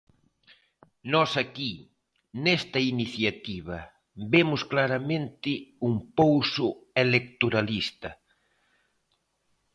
Nós aquí, nesta iniciativa, vemos claramente un pouso electoralista.